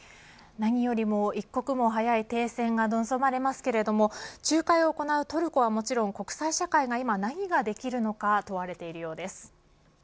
何よりも、一刻も早い停戦が望まれますけれども仲介を行うトルコはもちろん国際社会が今、何ができるのか問われているようです。